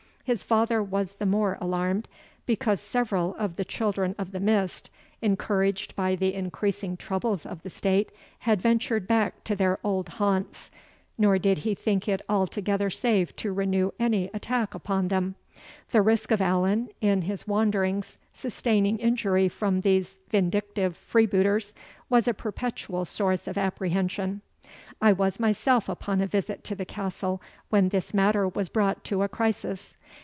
His father was the more alarmed, because several of the Children of the Mist, encouraged by the increasing troubles of the state, had ventured back to their old haunts, nor did he think it altogether safe to renew any attack upon them. The risk of Allan, in his wanderings, sustaining injury from these vindictive freebooters, was a perpetual source of apprehension. "I was myself upon a visit to the castle when this matter was brought to a crisis.